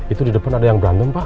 itu di depan ada yang berantem pak